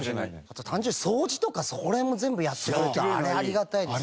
あと単純に掃除とかそこら辺も全部やってくれるっていうのはあれありがたいですよ。